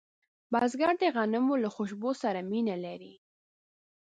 بزګر د غنمو له خوشبو سره مینه لري